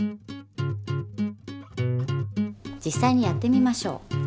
実さいにやってみましょう。